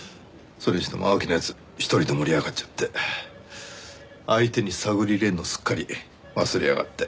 それにしても青木の奴１人で盛り上がっちゃって相手に探り入れるのをすっかり忘れやがって。